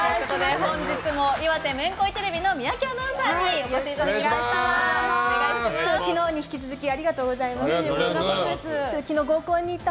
本日も岩手めんこいテレビの三宅アナウンサーにお越しいただきました。